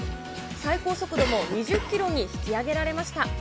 最高速度も２０キロに引き上げられました。